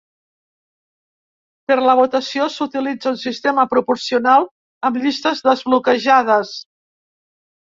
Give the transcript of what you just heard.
Per la votació s’utilitza un sistema proporcional amb llistes desbloquejades.